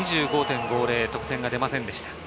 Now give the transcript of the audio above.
得点が出ませんでした。